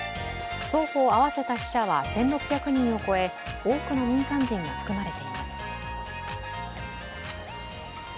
双方合わせた死者は１６００人を超え、多くの民間人が含まれています。